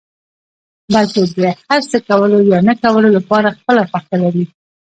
بلکې د هر څه کولو يا نه کولو لپاره خپله خوښه لري.